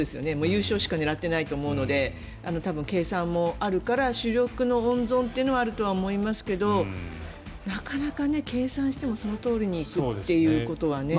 優勝しか狙ってないと思うので計算もあるから主力の温存というのはあると思いますけどなかなか計算してもそのとおりにいくということはね。